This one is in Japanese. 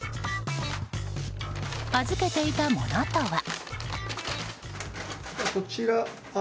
預けていたものとは。